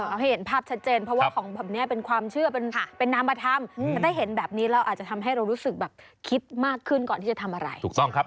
เอาให้เห็นภาพชัดเจนเพราะว่าของแบบนี้เป็นความเชื่อเป็นนามธรรมแต่ถ้าเห็นแบบนี้เราอาจจะทำให้เรารู้สึกแบบคิดมากขึ้นก่อนที่จะทำอะไรถูกต้องครับ